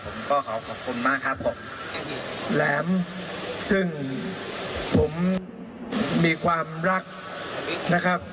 ขอขอบคุณมากครับผมอดีตแหลมซึ่งผมมีความรักนะครับ